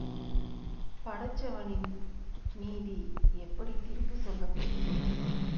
படைச்சவனின் நீதி எப்படித் தீர்ப்புச் சொல்லப் போகுதோ..?